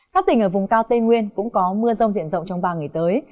các tỉnh ở vùng cao tây nguyên cũng có mưa rông diện rộng trong ba ngày tới